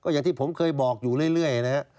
อย่างที่ผมเคยบอกอยู่เรื่อยนะฮะ